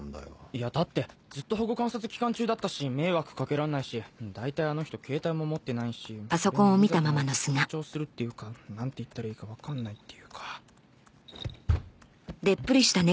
いやだってずっと保護観察期間中だったし迷惑かけらんないし大体あの人携帯も持ってないしそれにいざとなると緊張するっていうかなんて言ったらいいかわかんないっていうか。